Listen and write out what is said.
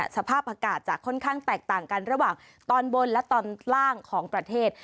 สภาพอากาศจะค่อนข้างแตกต่างกันระหว่างตอนบนและตอนล่างของประเทศ